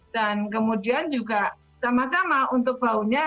dan kemudian juga sama sama untuk baunya